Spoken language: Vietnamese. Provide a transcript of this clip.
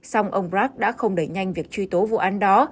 xong ông bragg đã không đẩy nhanh việc truy tố vụ án đó